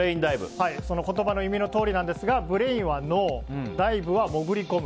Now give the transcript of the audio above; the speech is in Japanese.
その言葉の意味のとおりですがブレインは脳ダイブは潜り込む。